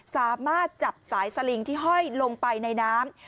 สามารถจับสายสลิงที่ห้อยลงไปในน้ำ